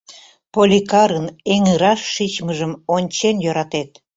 Поликарын эҥыраш шичмыжым ончен йӧратет.